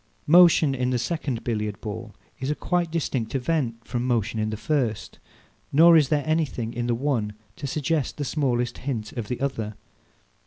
Motion in the second Billiard ball is a quite distinct event from motion in the first; nor is there anything in the one to suggest the smallest hint of the other.